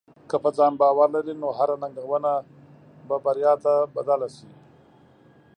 که په ځان باور لرې، نو هره ننګونه به بریا ته بدل شي.